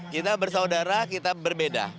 kita bersaudara kita berbeda